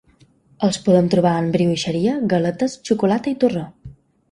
Els podem trobar en brioixeria, galetes, xocolata i torró.